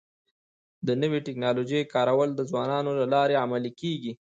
د نوي ټکنالوژۍ کارول د ځوانانو له لارې عملي کيږي.